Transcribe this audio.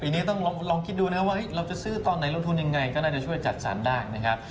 นี้ต้องลองคิดดูนะครับว่าเราจะซื้อตอนไหนลงทุนยังไงก็น่าจะช่วยจัดสรรได้นะครับ